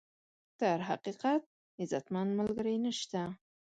تر حقیقت، عزتمن ملګری نشته.